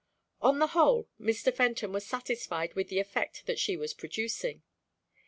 On the whole, Mr. Fenton was satisfied with the effect that she was producing.